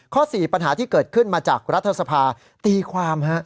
ข้อ๔ปัญหาที่เกิดขึ้นมาจากรัฐธรรมนูญตีความ